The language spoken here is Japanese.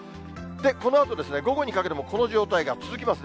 このあとですね、午後にかけてもこの状態が続きますね。